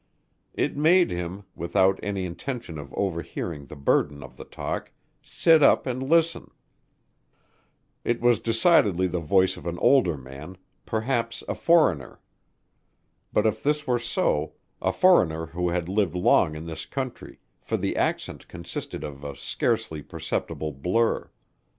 It made him without any intention of overhearing the burden of the talk sit up and listen. It was decidedly the voice of an older man perhaps a foreigner. But if this were so, a foreigner who had lived long in this country, for the accent consisted of a scarcely perceptible blur.